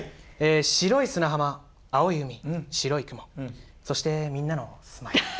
白い砂浜青い海白い雲そしてみんなのＳｍｉｌｅ。